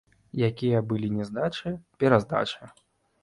Якія былі няздачы, пераздачы.